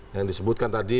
yang disebutkan tadi